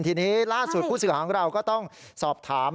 ทีนี้ล่าสุดผู้สื่อของเราก็ต้องสอบถาม